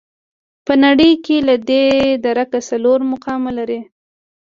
په نړۍ کې له دې درکه څلورم مقام لري.